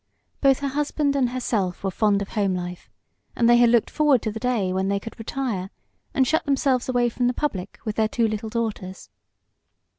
Both her husband and herself were fond of home life, and they had looked forward to the day when they could retire and shut themselves away from the public with their two little daughters.